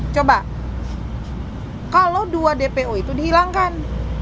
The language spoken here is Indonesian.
coba kalau dua dpo itu dihilangkan